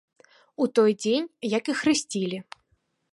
У той дзень, як і хрысцілі.